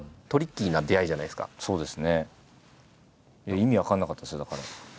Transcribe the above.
意味分かんなかったですよだから。